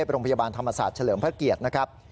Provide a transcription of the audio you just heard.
โรงพยาบาลธรรมศาสตร์เฉลิมพระเกียรตินะครับ